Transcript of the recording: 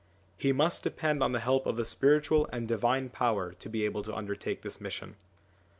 He must depend on the help of the spiritual and divine power to be able to undertake this mission.